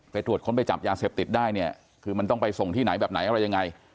ตรวจค้นไปจับยาเสพติดได้เนี่ยคือมันต้องไปส่งที่ไหนแบบไหนอะไรยังไง